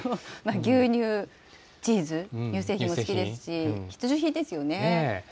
牛乳、チーズ、乳製品も好きですし、必需品ですよね。